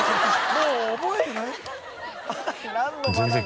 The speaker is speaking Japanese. もう覚えてない。